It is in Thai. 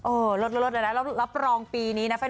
โอ้ลดเลยนะรับรองปีนี้นะ